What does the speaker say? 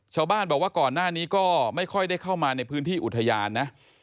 ชาวบ้านบอกว่าก่อนหน้านี้ก็ไม่ค่อยได้เข้ามาในพื้นที่อุทยานนะ